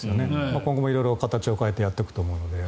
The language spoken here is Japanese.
今後も形を変えてやっていくと思うので。